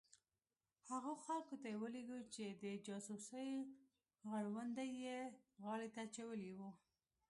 هغو خلکو ته یې ولېږو چې د جاسوسۍ غړوندی یې غاړې ته اچولي وو.